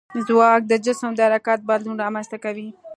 ځواک د جسم د حرکت بدلون رامنځته کوي.